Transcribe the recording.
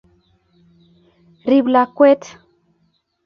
rib lakwet